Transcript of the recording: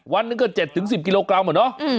วันนั้นก็๗๑๐กิโลกรัมเหรอเนอะ